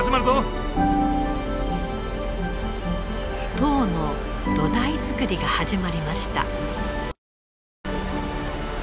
塔の土台作りが始まりました。